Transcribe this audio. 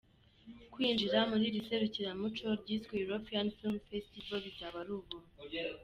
Kwinjira muri iri serukiramuco ryiswe “European Film Festival” bizaba ari ubuntu.